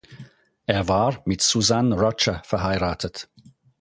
Er war mit Suzanne Roger verheiratet.